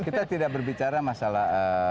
kita tidak berbicara masalah